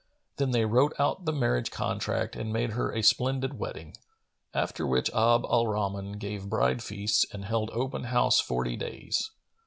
Then they wrote out the marriage contract and made her a splendid wedding; after which Abd al Rahman gave bride feasts and held open house forty days.